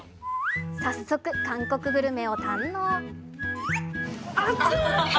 早速、韓国グルメを堪能。